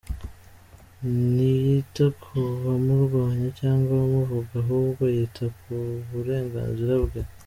Ntiyita ku bamurwanya cyangwa abamuvuga ahubwo yita ku burenganzira bwe.